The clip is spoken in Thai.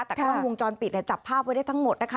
แต่กล้องวงจรปิดจับภาพไว้ได้ทั้งหมดนะคะ